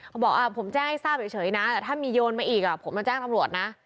บอกผมแจ้งให้ทราบเฉยนะแต่ถ้ามีโยนมาอีกผมมาแจ้งตำรวจนะ